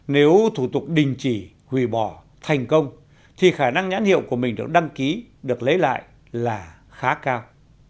nếu thủ tục đình chỉ hủy bỏ thành công thì khả năng nhãn hiệu của mình được đăng ký được lấy lại là khá cao